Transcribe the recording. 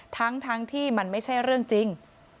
ทั้งที่มันไม่ใช่เรื่องจริง